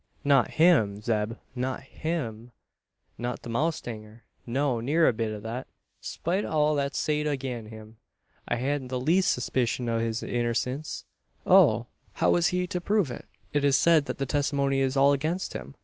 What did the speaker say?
"Not him, Zeb; not him!" "Not the mowstanger. No, neer a bit o' thet. Spite o' all that's sayed agin him, I hain't the leest surspishun o' his innersense." "Oh! how is he to prove it? It is said, that the testimony is all against him!